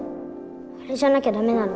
あれじゃなきゃ駄目なの。